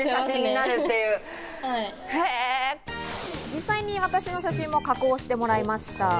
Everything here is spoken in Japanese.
実際に私の写真も加工してもらいました。